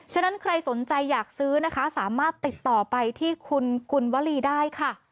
ฉะนั้นใครสนใจอยากซื้อนะคะสามารถติดต่อไปที่คุณกุลวลีได้ค่ะ